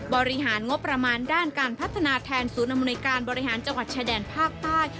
บริหารงบประมาณด้านการพัฒนาแทนศูนย์อำนวยการบริหารจังหวัดชายแดนภาคใต้